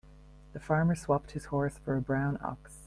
The farmer swapped his horse for a brown ox.